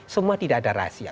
semua tidak ada rahasia